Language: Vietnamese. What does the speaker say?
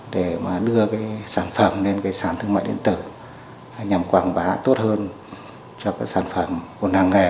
và phát triển sản xuất cho làng nghề